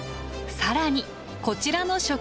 更にこちらの食堂では。